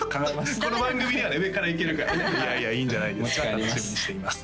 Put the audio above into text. この番組にはね上からいけるからねいやいやいいんじゃないですか持ち帰ります